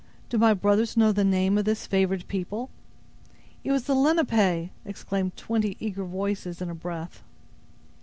Do my brothers know the name of this favored people?" "It was the Lenape!" exclaimed twenty eager voices in a breath.